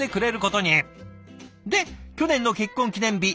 で去年の結婚記念日